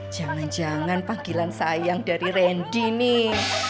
jangan jangan panggilan sayang dari randy nih